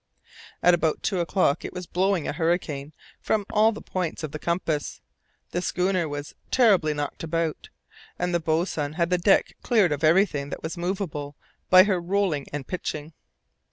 About two o'clock it was blowing a hurricane from all the points of the compass. The schooner was terribly knocked about, and the boatswain had the deck cleared of everything that was movable by her rolling and pitching.